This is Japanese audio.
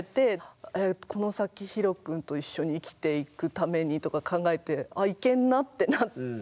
この先ひろ君と一緒に生きていくためにとか考えて「あっいけんな」ってなって。